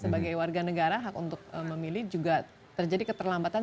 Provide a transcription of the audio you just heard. sebagai warga negara hak untuk memilih juga terjadi keterlambatan